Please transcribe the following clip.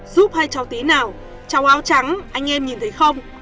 giúp hai cháu tí nào cháu áo trắng anh em nhìn thấy không